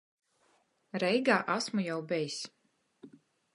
Reigā asmu jau bejs.